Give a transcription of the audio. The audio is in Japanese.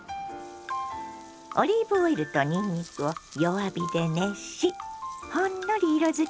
オリーブオイルとにんにくを弱火で熱しほんのり色づき